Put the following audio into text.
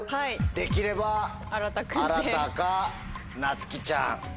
できればあらたかなつきちゃん。